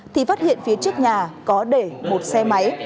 thì phát hiện phía trước nhà có để một xe máy